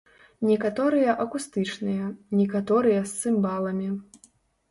Некаторыя акустычныя, некаторыя з цымбаламі.